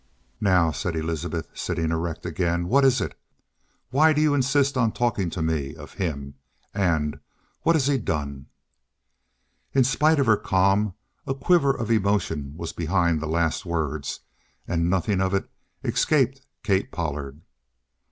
"Now," said Elizabeth, sitting erect again, "what is it? Why do you insist on talking to me of him? And what has he done?" In spite of her calm, a quiver of emotion was behind the last words, and nothing of it escaped Kate Pollard.